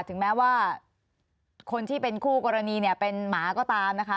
ถึงแม้ว่าคนที่เป็นคู่กรณีเนี่ยเป็นหมาก็ตามนะคะ